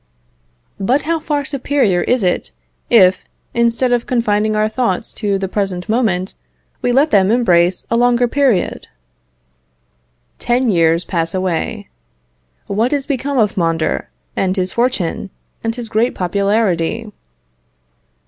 But how far superior is it, if, instead of confining our thoughts to the present moment, we let them embrace a longer period! Ten years pass away. What is become of Mondor and his fortune and his great popularity?